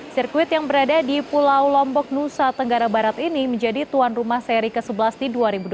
sirkuit yang berada di pulau lombok nusa tenggara barat ini menjadi tuan rumah seri ke sebelas di dua ribu dua puluh